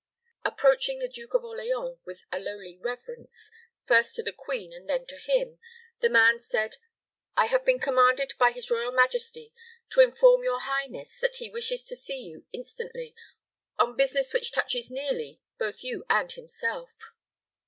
Approaching the Duke of Orleans, with a lowly reverence, first to the queen and then to him, the man said, "I have been commanded by his royal majesty to inform your highness that he wishes to see you instantly, on business which touches nearly both you and himself."